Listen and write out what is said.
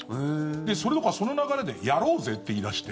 それどころか、その流れでやろうぜって言い出して。